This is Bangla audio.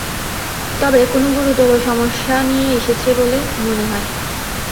তবে কোনো গুরুতর সমস্যা নিয়ে এসেছে বলে মনে হয়।